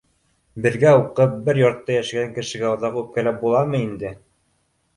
Бергә уҡып, бер йортта йәшәгән кешегә оҙаҡ үпкәләп буламы инде?!